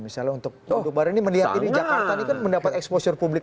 misalnya untuk duduk bareng ini mendirikan di jakarta ini kan mendapat exposure publik